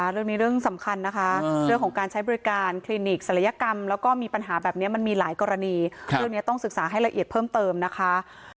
เรื่องเรื่องสำคัญนะคะเรื่องของการใช้บริการคลินิกศัลยกรรมแล้วก็มีปัญหาแบบนี้มันมีหลายกรณีเรื่องนี้ต้องศึกษาให้ละเอียดเพิ่มเติมนะคะ